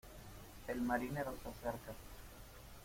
el marinero se acerca: